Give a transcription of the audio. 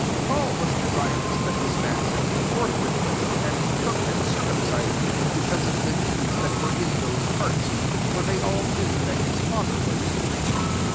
3 Paul was desirous that this man should go forth with him ; and he took and circumcised him, because of the Jews that were in those parts: for they all knew that his father was a Greek.